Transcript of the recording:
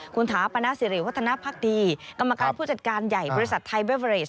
คุณถาปนาสิริวัฒนภักดีกรรมการผู้จัดการใหญ่บริษัทไทยเวอเรส